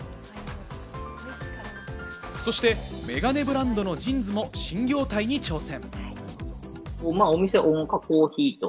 そして眼鏡ブランドのＪＩＮＳも新業態に挑戦。